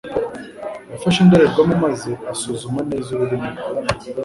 Yafashe indorerwamo maze asuzuma neza ururimi rwe